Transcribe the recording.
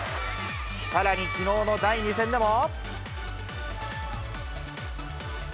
さらにきのうの第２戦でも。